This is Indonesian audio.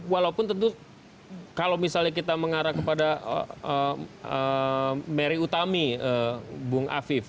walaupun tentu kalau misalnya kita mengarah kepada mary utami bung afif